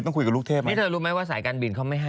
ต้องคุยกับลูกเทพไหม